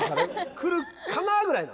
来るかな？ぐらいな。